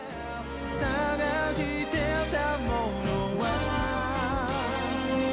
「探していたものは」